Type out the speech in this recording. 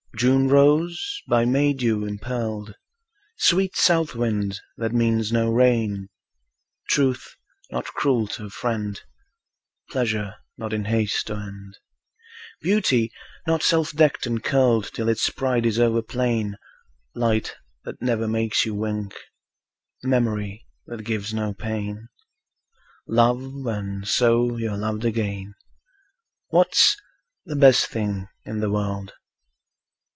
June rose, by May dew impearled; Sweet south wind, that means no rain; Truth, not cruel to a friend; Pleasure, not in haste to end; Beauty, not self decked and curled Till its pride is over plain; Light, that never makes you wink; Memory, that gives no pain; Love, when, so, you're loved again. What's the best thing in the world?